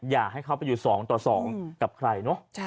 อย่าให้เขาไปอยู่๒ต่อ๒กับใครเนอะ